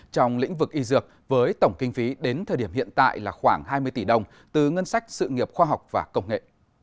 trong lĩnh vực y dược với tổng kinh phí đến thời điểm hiện tại là khoảng hai mươi tỷ đồng từ ngân sách sự nghiệp khoa học và công nghệ